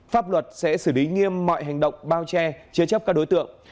pháp luật sẽ xử lý nghiêm mọi hành động bao che chế chấp các đối tượng